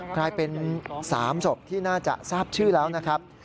กลายเป็น๓ศพที่น่าจะทราบชื่อแล้วนะครับ